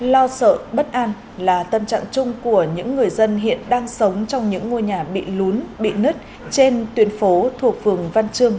lo sợ bất an là tâm trạng chung của những người dân hiện đang sống trong những ngôi nhà bị lún bị nứt trên tuyến phố thuộc phường văn trương